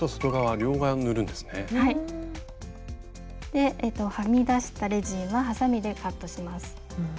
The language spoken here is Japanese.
ではみ出したレジンははさみでカットします。